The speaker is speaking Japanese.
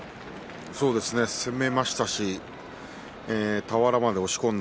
そうですね、攻めましたし俵まで押し込んだ